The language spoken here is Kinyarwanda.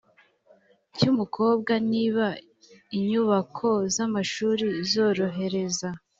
cy’umukobwa, niba inyubako z’amashuri zorohereza